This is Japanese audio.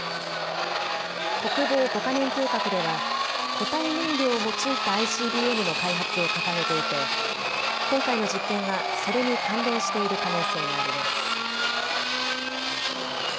国防５か年計画では固体燃料を用いたＩＣＢＭの開発を掲げていて今回の実験実験はそれに関連している可能性があります。